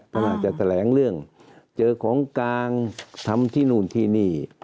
กำลังจะแถลงเรื่องเจอของกลางทำที่นู่นที่นี่